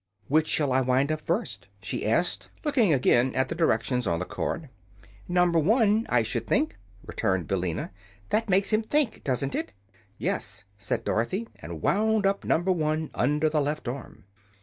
"Which shall I wind up first?" she asked, looking again at the directions on the card. "Number One, I should think," returned Billina. "That makes him think, doesn't it?" "Yes," said Dorothy, and wound up Number One, under the left arm.